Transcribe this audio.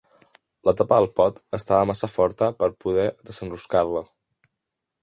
La tapa del pot estava massa forta per poder desenroscar-la.